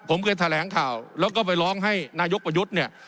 ผมเคยแถลงข่าวแล้วก็ไปร้องให้นายกประยุทธ์เนี่ย